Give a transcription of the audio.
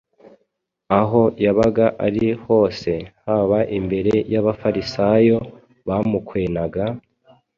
Aho yabaga ari hose, haba imbere y’Abafarisayo bamukwenaga,